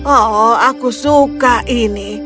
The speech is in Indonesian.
oh aku suka ini